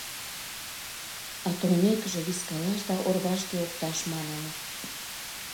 А толмекыже, вискалаш да орвашке опташ,-маныныт.